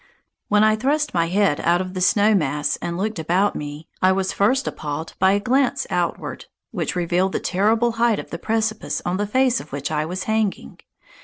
When I thrust my head out of the snow mass and looked about me, I was first appalled by a glance outward, which revealed the terrible height of the precipice on the face of which I was hanging.